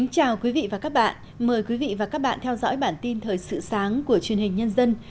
chào mừng quý vị đến với bản tin thời sự sáng của truyền hình nhân dân